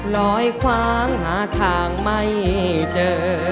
ลอยคว้างหาทางไม่เจอ